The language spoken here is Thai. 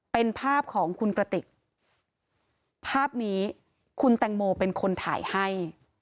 เป็นภาพของคุณกระติกภาพนี้คุณแตงโมเป็นคนถ่ายให้